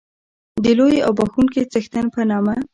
د لوی او بښوونکي څښتن په نامه.